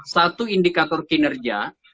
satu indikator kinerja